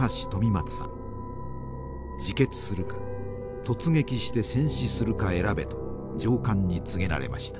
「自決するか突撃して戦死するか選べ」と上官に告げられました。